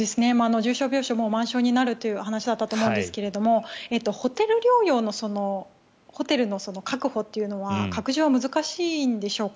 重症病床もう満床になるという話だったと思うんですがホテル療養のホテルの確保というのは拡充は難しいんでしょうか